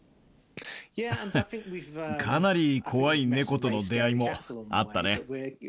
かなり怖い猫との出会いもあったね。